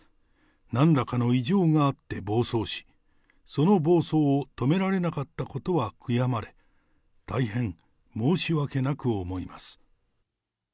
なんらかの異常があって暴走し、その暴走を止められなかったことは悔やまれ、大変申し訳なく思います。